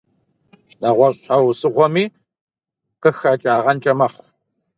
НэгъуэщӀ щхьэусыгъуэми къыхэкӀагъэнкӀэ мэхъу.